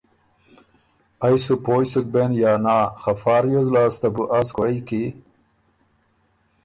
ائ سُو پوئ سُک بېن یا نا خه فا ریوز لاسته بو از کُورئ کی